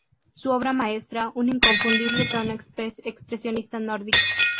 Su obra muestra un inconfundible tono expresionista nórdico.